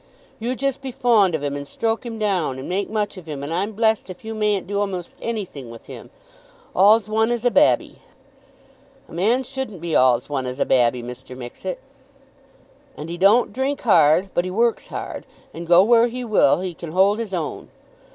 "You just be fond of him and stroke him down, and make much of him, and I'm blessed if you mayn't do a'most anything with him, all's one as a babby." "A man shouldn't be all's one as a babby, Mr. Mixet." "And he don't drink hard, but he works hard, and go where he will he can hold his own."